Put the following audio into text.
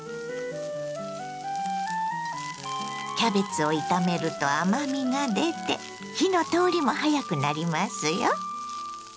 キャベツを炒めると甘みが出て火の通りも早くなりますよ。